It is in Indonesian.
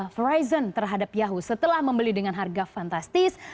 fraizon terhadap yahoo setelah membeli dengan harga fantastis